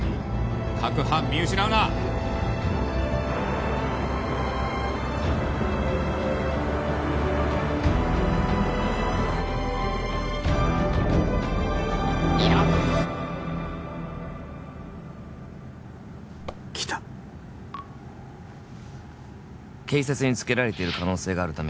各班見失うな「ゲロッ」来た「警察につけられている可能性があるため」